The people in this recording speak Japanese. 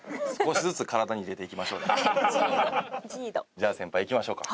じゃあ先輩いきましょうか。